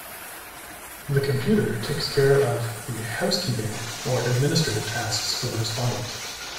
The computer takes care of the "housekeeping" or administrative tasks for the respondent.